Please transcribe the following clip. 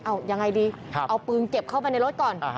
เอายังไงดีเอาปืนเก็บเข้าไปในรถก่อน